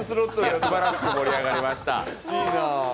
すばらしく盛り上がりました。